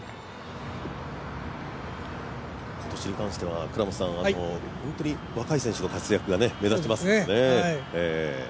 今年に関しては本当に若い選手の活躍が目覚ましいですよね。